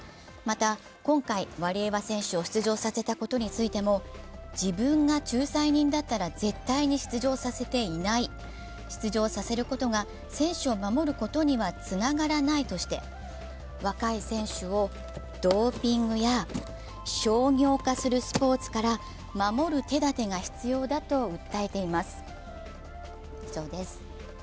また、今回ワリエワ選手を出場させたことについても自分が仲裁人だったら絶対に出場させていない、出場させることが選手を守ることにはつながらないとして若い選手をドーピングや商業化するスポーツから守る手だてが必要だと訴えています。